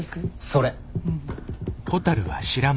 それ！